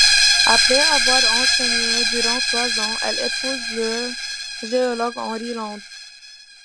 Après avoir enseigné durant trois ans, elle épouse le géologue Henry Landes.